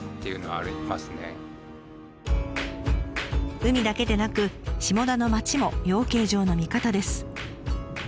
海だけでなく下田の町も養鶏場の味方です。